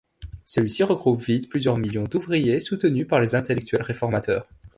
Celui-ci regroupe vite plusieurs millions d'ouvriers soutenus par les intellectuels réformateurs.